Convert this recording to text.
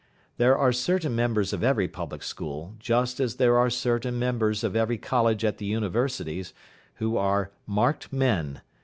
There are certain members of every public school, just as there are certain members of every college at the universities, who are "marked men".